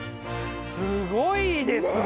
すごいですね！